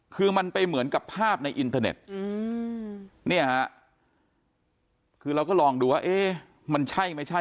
คือมันไปเหมือนกับภาพในอินเทอร์เน็ตเนี่ยฮะคือเราก็ลองดูว่าเอ๊ะมันใช่ไม่ใช่